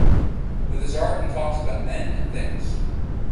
With his art he talks about men and things.